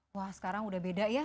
wah sekarang udah beda ya